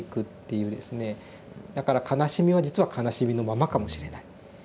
だから悲しみは実は悲しみのままかもしれない。